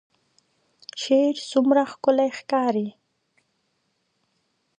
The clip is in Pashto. شرۍ څومره ښکلې ښکاري